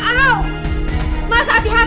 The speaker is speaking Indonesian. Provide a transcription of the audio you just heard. nanti ibm masuk ke sini